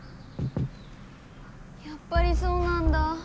やっぱりそうなんだ。